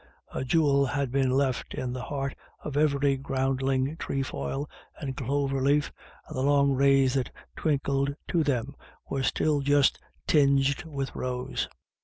A jewel had been left in the heart of every groundling trefoil and clover leaf, and the long rays that twinkled to them were still just tinged with rose.